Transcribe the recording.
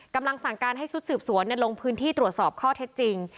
กำลังสั่งการให้ชุดสืบสวนลงพื้นที่ตรวจสอบข้อเท็จจริง